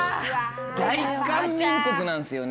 大韓民国なんですよね